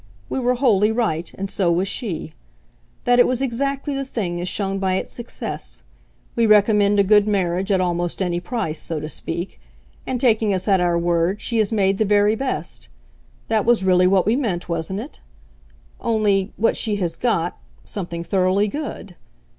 We were wholly right and so was she. That it was exactly the thing is shown by its success. We recommended a good marriage at almost any price, so to speak, and, taking us at our word, she has made the very best. That was really what we meant, wasn't it? Only what she has got something thoroughly good.